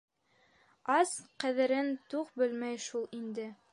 Ас ҡәҙерен туҡ белмәй шул инде.